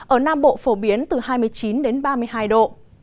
ở nam bộ phổ biến từ hai mươi chín đến ba mươi hai độ